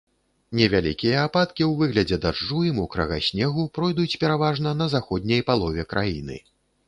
Невялікія ападкі ў выглядзе дажджу і мокрага снегу пройдуць пераважна на заходняй палове краіны.